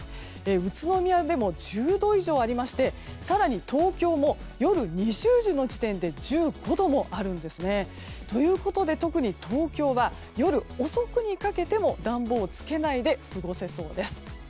宇都宮でも１０度以上ありまして更に、東京も夜２０時の時点で１５度もあるんですね。ということで特に東京は夜遅くにかけても暖房をつけないで過ごせそうです。